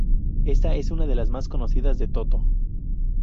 Esta es una de las más conocida de Toto.